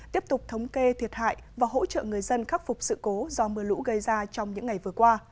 tiếp tục thống kê thiệt hại và hỗ trợ người dân khắc phục sự cố do mưa lũ gây ra trong những ngày vừa qua